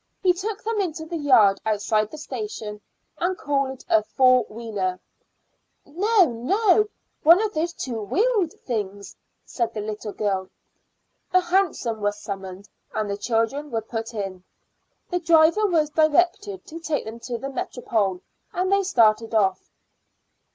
He took them into the yard outside the station, and called a four wheeler. "No, no; one of those two wheeled things," said the little girl. A hansom was summoned, and the children were put in. The driver was directed to take them to the Métropole, and they started off.